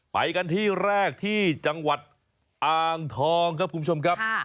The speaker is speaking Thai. ไปกันที่แรกที่จังหวัดอ่างทองครับคุณผู้ชมครับ